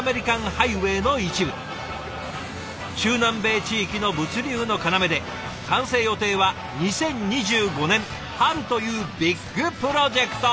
中南米地域の物流の要で完成予定は２０２５年春というビッグプロジェクト。